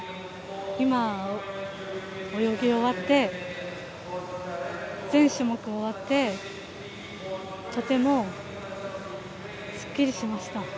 今、泳ぎ終わって全種目終わってとてもすっきりしました。